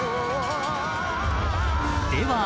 ［では］